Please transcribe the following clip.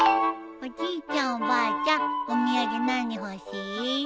おじいちゃんおばあちゃんお土産何欲しい？